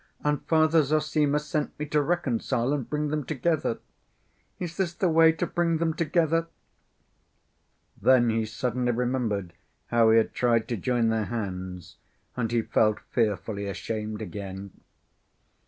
And Father Zossima sent me to reconcile and bring them together. Is this the way to bring them together?" Then he suddenly remembered how he had tried to join their hands, and he felt fearfully ashamed again.